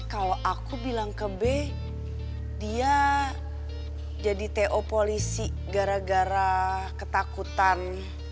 kalau aku bilang ke b dia jadi to polisi gara gara ketakutan